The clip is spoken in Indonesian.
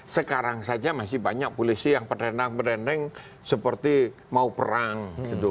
sekarang saja masih banyak polisi yang berdendang perendang seperti mau perang